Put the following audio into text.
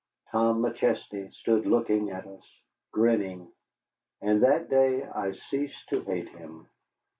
Tom McChesney stood looking at us, grinning, and that day I ceased to hate him.